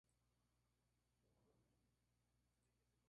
Juega como delantero y su primer equipo fue Villa San Carlos.